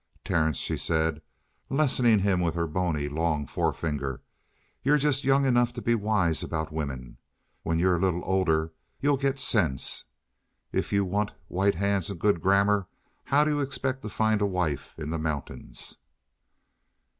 "Terence," she said, lessoning him with her bony, long forefinger, "you're just young enough to be wise about women. When you're a little older, you'll get sense. If you want white hands and good grammar, how do you expect to find a wife in the mountains?"